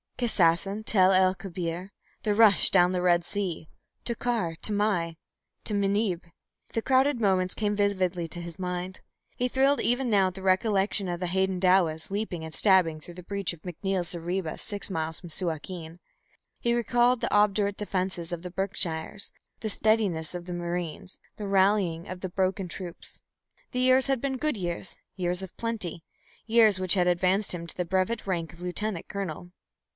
Kassassin, Tel el Kebir, the rush down the Red Sea, Tokar, Tamai, Tamanieb the crowded moments came vividly to his mind. He thrilled even now at the recollection of the Hadendowas leaping and stabbing through the breach of McNeil's zareba six miles from Suakin; he recalled the obdurate defence of the Berkshires, the steadiness of the Marines, the rallying of the broken troops. The years had been good years, years of plenty, years which had advanced him to the brevet rank of lieutenant colonel.